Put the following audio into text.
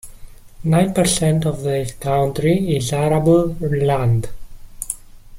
Nine percent of the country is arable land.